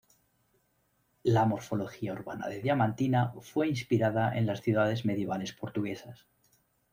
La morfología urbana de Diamantina fue inspirada en las ciudades medievales portuguesas.